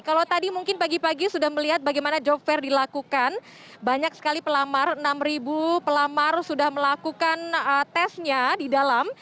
kalau tadi mungkin pagi pagi sudah melihat bagaimana job fair dilakukan banyak sekali pelamar enam pelamar sudah melakukan tesnya di dalam